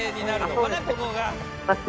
ここが。